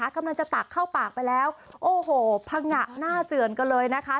กำลังจะตักเข้าปากไปแล้วโอ้โหพังงะหน้าเจือนกันเลยนะคะ